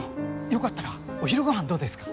よかったらお昼ごはんどうですか？